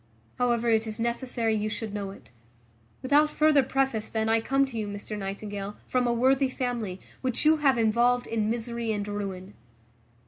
However, it is necessary you should know it. Without further preface, then, I come to you, Mr Nightingale, from a worthy family, which you have involved in misery and ruin."